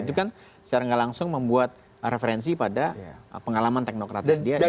itu kan secara nggak langsung membuat referensi pada pengalaman teknokratis dia